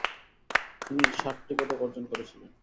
তিনি সাতটি পদক অর্জন করে ছিলেন।